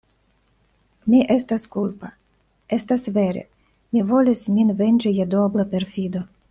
Mi estas kulpa; estas vere: mi volis min venĝi je duobla perfido.